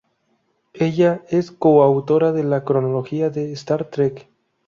Ella es co-autora de la "Cronología de Star Trek".